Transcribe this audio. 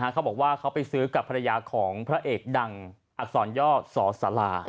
เขาบอกว่าเขาไปซื้อกับภรรยาของพระเอกดังอักษรย่อสอสารา